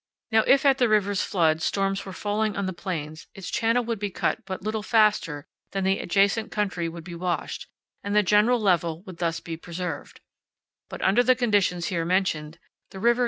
Now, if at the river's flood storms were falling on the plains, its channel would be cut but little faster than the adjacent country would be washed, and the general level would thus be preserved; but under the conditions here mentioned, the river.